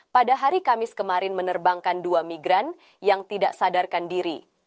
pada hari kamis kemarin menerbangkan dua migran yang tidak sadarkan diri